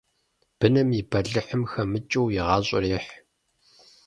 Быным и бэлыхьым хэмыкӀыу и гъащӀэр ехь.